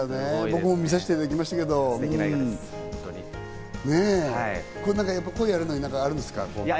僕も見させていただきましたけど、声をやるのに何かあるんですか？